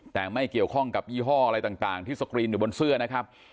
แต่ไม่เกี่ยวข้องกับยี่ห้ออะไรต่างที่สกรีนอยู่บนเสื้อนะครับ